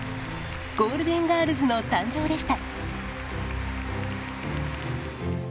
ゴールデンガールズの誕生でした。